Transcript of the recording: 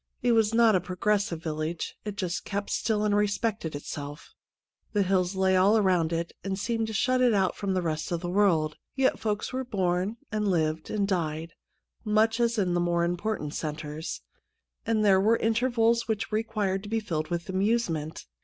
It was not a progres sive village ; it just kept still and respected itself The hills lay all round it, and seemed to shut it out from the rest of the world. Yet folks were born, and lived, and died, much as in the more important centres ; and there were intervals which required to be filled with amusement.